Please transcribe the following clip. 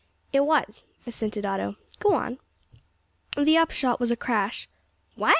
"It was," assented Otto; "go on." "The upshot was a crash " "What!